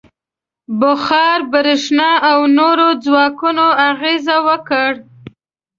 • بخار، برېښنا او نورو ځواکونو اغېز وکړ.